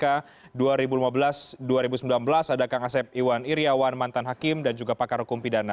ada kang asep iwan iryawan mantan hakim dan juga pakar hukum pidana